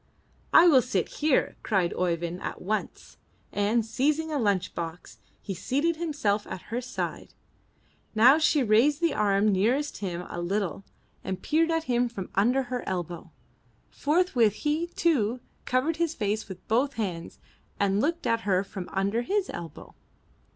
"I will sit here!" cried Oeyvind at once, and, seizing a lunch box, he seated himself at her side. Now she raised the arm nearest him a little and 368 IN THE NURSERY peered at him from under her elbow; forthwith he, too, covered his face with both hands and looked at her from under his elbow.